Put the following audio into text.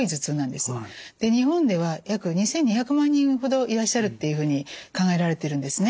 で日本では約２，２００万人ほどいらっしゃるっていうふうに考えられてるんですね。